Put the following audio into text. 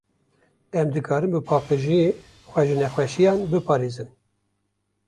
Em dikarin bi paqijiyê, xwe ji nexweşiyan biparêzin.